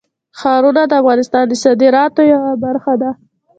ښارونه د افغانستان د صادراتو یوه برخه ده.